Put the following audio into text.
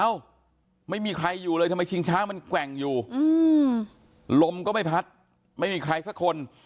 เอ้าไม่มีใครอยู่เลยทำไมชิงช้างมันแกว่งอยู่ลมก็ไม่พัดไม่มีใครสักคน